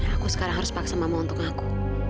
aku sekarang harus paksa samamu untuk aku